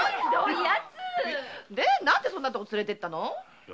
なんでそんなとこ連れてったの？